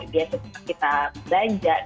biasa kita belanja